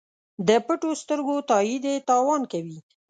د پټو سترګو تایید یې تاوان کوي.